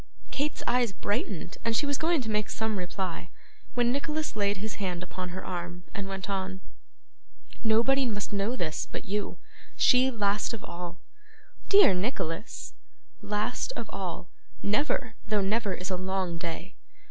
Kate's eyes brightened, and she was going to make some reply, when Nicholas laid his hand upon her arm, and went on: 'Nobody must know this but you. She, last of all.' 'Dear Nicholas!' 'Last of all; never, though never is a long day.